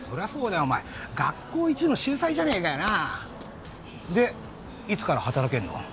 お前学校一の秀才じゃねえかよなあでいつから働けんの？